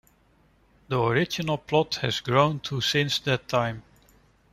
The original plot has grown to since that time.